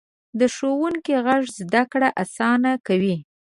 د ښوونکي غږ زده کړه اسانه کوي.